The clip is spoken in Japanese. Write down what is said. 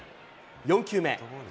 ４球目。